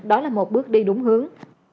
đó là một bước đi đúng hướng